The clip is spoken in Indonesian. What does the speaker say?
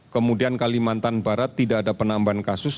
kemudian kalimantan barat tidak ada penambahan kasus